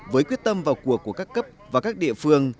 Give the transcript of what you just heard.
với quyết tâm vào cuộc của các cấp và các địa phương